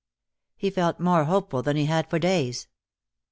He felt more hopeful than he had for days.